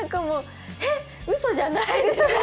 え、うそじゃないですよね？